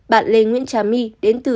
bạn lê nguyễn trà my đến từ